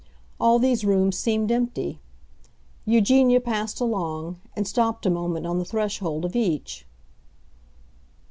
All these rooms seemed empty. Eugenia passed along, and stopped a moment on the threshold of each.